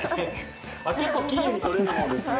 結構きれいに撮れるものですね。